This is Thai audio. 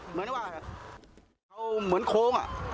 เหมือนว่าเขาเหมือนโค้งอะ